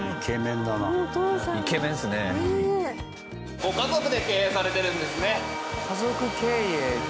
ご家族で経営されてるんですね。